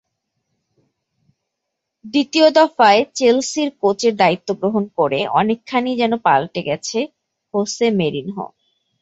দ্বিতীয় দফায় চেলসির কোচের দায়িত্ব গ্রহণ করে অনেকখানিই যেন পাল্টে গেছেন হোসে মরিনহো।